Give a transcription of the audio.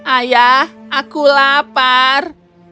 ayah aku lapar